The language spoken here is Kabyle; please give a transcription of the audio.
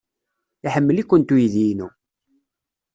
Iḥemmel-ikent uydi-inu.